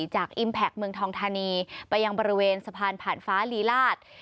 อิมแพคเมืองทองธานีไปยังบริเวณสะพานผ่านฟ้าลีลาศ